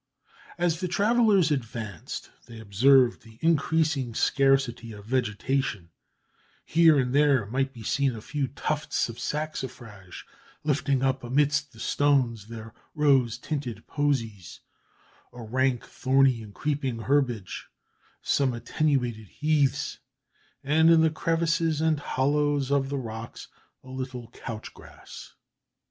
As the travellers advanced, they observed the increasing scarcity of vegetation; here and there might be seen a few tufts of saxifrage lifting up amidst the stones their rose tinted posies a rank, thorny, and creeping herbage some attenuated heaths, and in the crevices and hollows of the rocks, a little couch grass.